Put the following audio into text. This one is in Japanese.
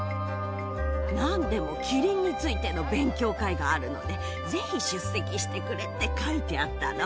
なんでもキリンについての勉強会があるので、ぜひ出席してくれって書いてあったの。